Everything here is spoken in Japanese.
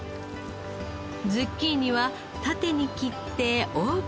ズッキーニは縦に切ってオーブンへ。